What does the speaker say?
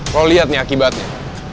lo liat nih akibatnya